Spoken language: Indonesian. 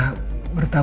loh dia menemukan ayo